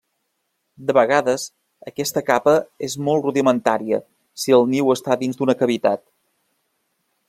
De vegades, aquesta capa és molt rudimentària si el niu està dins d'una cavitat.